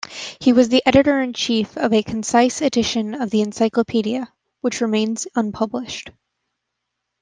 He was editor-in-chief of a concise edition of the encyclopedia, which remains unpublished.